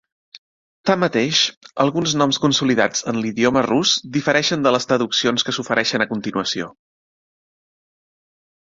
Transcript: Tanmateix, alguns noms consolidats en l'idioma rus difereixen de les traduccions que s'ofereixen a continuació.